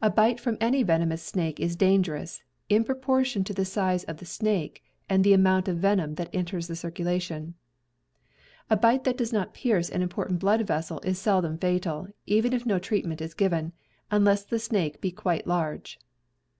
A bite from any venomous snake is dangerous, in propoiiion to the size of the snake, and to the amount of venom that enters the circulation. A bite that does not pierce an important blood vessel is seldom fatal, even if no treatment is given, unless the snake be quite large.